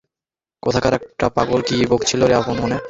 কোথাকার একটা পাগল, কি বকছিলি রে আপন মনে?